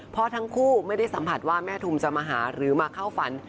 เพราะทั้งคู่ไม่ได้สัมผัสว่าแม่ทุมจะมาหาหรือมาเข้าฝัน